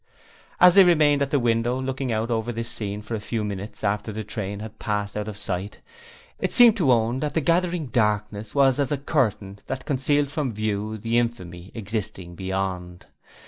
As they remained at the window looking out over this scene for a few minutes after the train had passed out of sight, it seemed to Owen that the gathering darkness was as a curtain that concealed from view the Infamy existing beyond.